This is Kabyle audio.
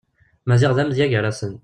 Maziɣ d amedya gar-asen.